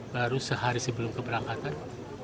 baru sehari sebelum keberangkatan